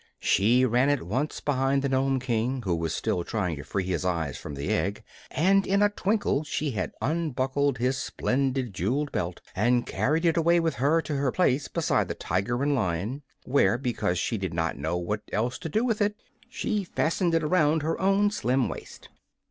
She ran at once behind the Nome King, who was still trying to free his eyes from the egg, and in a twinkling she had unbuckled his splendid jeweled belt and carried it away with her to her place beside the Tiger and Lion, where, because she did not know what else to do with it, she fastened it around her own slim waist.